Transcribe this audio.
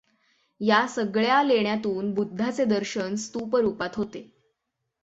या सगळ्या लेण्यांतून बुद्धाचे दर्शन स्तूप रूपांत होते.